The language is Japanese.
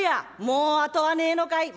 「もうあとはねえのかい？」。